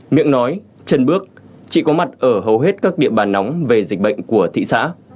miệng nói chân bước chị có mặt ở hầu hết các địa bàn nóng về dịch bệnh của thị xã